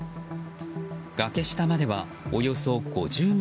崖下までは、およそ５０ｍ。